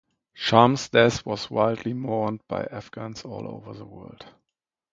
Shams's death was widely mourned by Afghans all over the world.